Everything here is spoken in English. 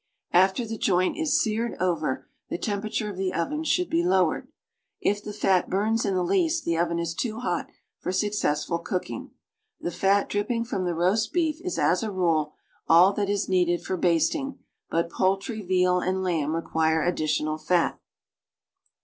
After the joint is seared over, the temperature of the oven should be lowered. If the fat burns in the least, the oven is too hot for successful cooking. The fat dripping from the roast beef is, as a rule, all that is needed for basting, but poultry, veal and lamb require additional fat.